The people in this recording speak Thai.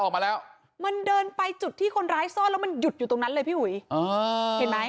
เออก็เล่าให้ฟังว่าผู้เสียหายเขาตะโกนร้องขอความช่วยเหลือ